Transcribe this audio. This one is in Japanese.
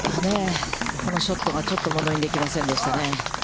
このショットが、ちょっとものにできませんでしたね。